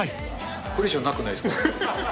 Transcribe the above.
これ以上、なくないですか？